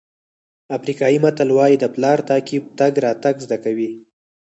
افریقایي متل وایي د پلار تعقیب تګ راتګ زده کوي.